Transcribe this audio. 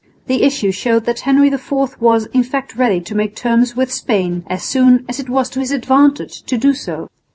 The issue showed that Henry IV was in fact ready to make terms with Spain, as soon as it was to his advantage to do so.